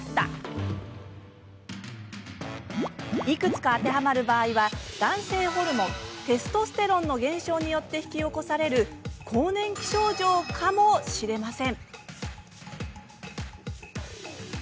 いくつか当てはまる場合は男性ホルモン、テストステロンの減少によって引き起こされる更年期症状かもしれません。